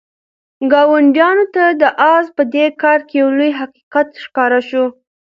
ګاونډیانو ته د آس په دې کار کې یو لوی حقیقت ښکاره شو.